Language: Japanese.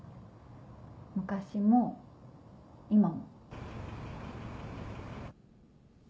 昔も今も。